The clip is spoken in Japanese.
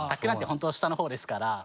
本当に下のほうですから。